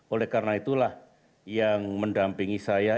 oleh karena itulah yang mendampingi saya